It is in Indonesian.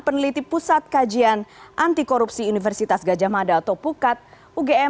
peneliti pusat kajian anti korupsi universitas gajah mada atau pukat ugm